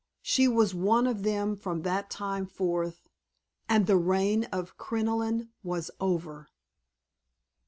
She was one of them from that time forth and the reign of crinoline was over.